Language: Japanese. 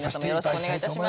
お願いいたします